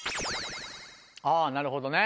あなるほどね